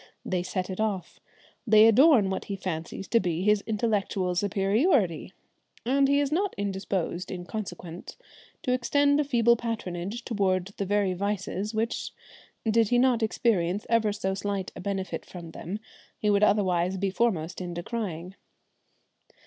They set it off. They adorn what he fancies to be his intellectual superiority, and he is not indisposed in consequence to extend a feeble patronage towards the very vices which, did he not experience ever so slight a benefit from them, he would otherwise be foremost in decrying.